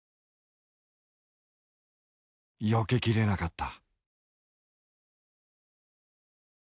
よけきれなかった。